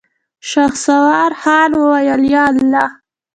شهسوار خان وويل: ياالله.